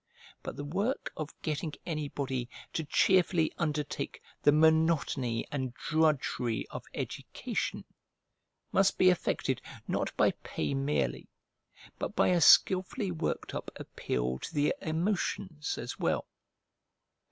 But the work of getting anybody to cheerfully undertake the monotony and drudgery of education must be effected not by pay merely, but by a skilfully worked up appeal to the emotions as well.